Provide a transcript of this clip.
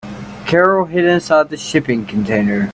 Carol hid inside the shipping container.